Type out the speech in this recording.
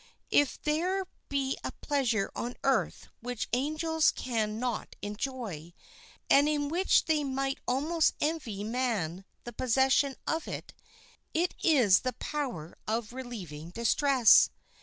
If there be a pleasure on earth which angels can not enjoy, and which they might almost envy man the possession of, it is the power of relieving distress.